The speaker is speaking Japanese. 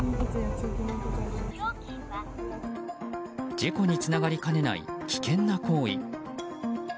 事故につながりかねない危険な行為。